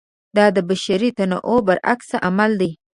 دا د بشري تنوع برعکس عمل دی.